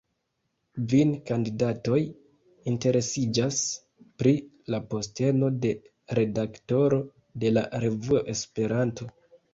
Kvin kandidatoj interesiĝas pri la posteno de redaktoro de la revuo Esperanto.